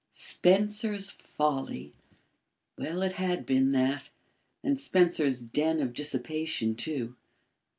Spencer's Folly! Well, it had been that, and Spencer's den of dissipation too!